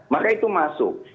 maka itu masuk